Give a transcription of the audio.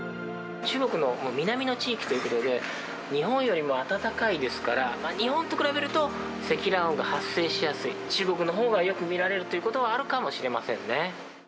中国の南の地域ということで、日本よりも暖かいですから、日本と比べると積乱雲が発生しやすい、中国のほうがよく見られるということはあるかもしれませんね。